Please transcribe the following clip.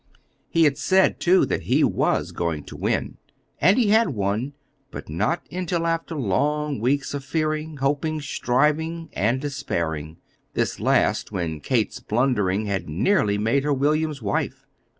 He had said, too, that he was going to win. And he had won but not until after long weeks of fearing, hoping, striving, and despairing this last when Kate's blundering had nearly made her William's wife.